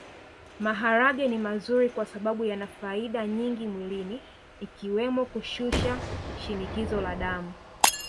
Maharage ni mazuri kwasababu yana faida nyingi mwilini ikiwemo kushusha shinikizo la damu